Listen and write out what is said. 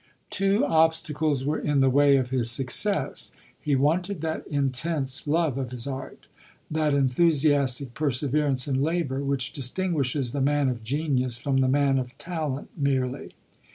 Two obstacles were in the way of his succesi He wanted that intense love of his art — thai VOL. I. i) 50 LODORE. enthusiastic perseverance in labour, which dis tinguishes the man of genius from the man of talent merely.